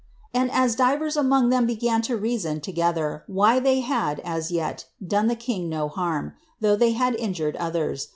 Ani\ as divers among them began to reason tosether wliv iliev lisil. i J'el, done the king no harm, though ihey had injured others, t!